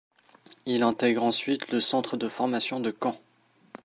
Il intègre ensuite le centre de formation de Caen.